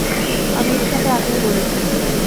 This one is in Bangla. আমি এটার সাথে আগেও লড়েছি।